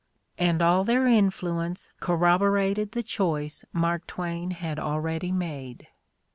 And all their influence corroborated the choice Mark Twain had already made.